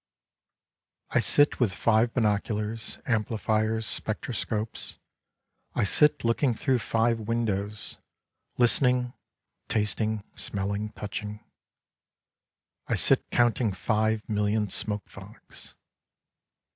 " I sit with five binoculars, amplifiers, spectroscopes I sit looking through five windows, listening, tasting, smelling, touching. I sit counting five million smoke fogs.